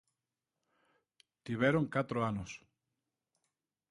Tiveron catro anos.